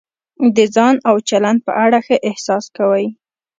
د ځان او چلند په اړه ښه احساس کوئ.